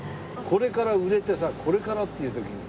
これから売れてさこれからっていう時に。